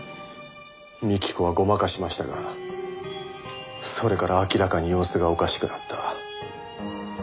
幹子はごまかしましたがそれから明らかに様子がおかしくなった。